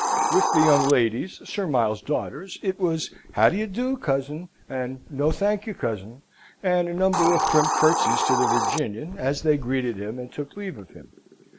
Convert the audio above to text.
With the young ladies, Sir Miles's daughters, it was "How d'ye do, cousin?" and "No, thank you, cousin," and a number of prim curtseys to the Virginian, as they greeted him and took leave of him.